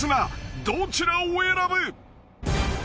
［どちらを選ぶ？］